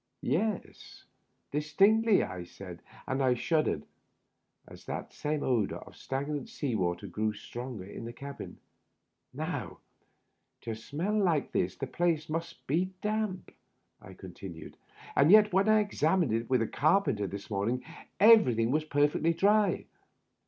" Yes — distinctly," I said, and I shuddered as that same odor of stagnant sea water grew stronger in the cabin. "Now, to smell like this, the place must be damp," I contiQued, " and yet when I examined it with the carpenter this morning everything was perfectly dry.